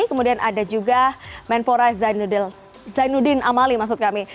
kemudian ada juga menpora zainuddin amali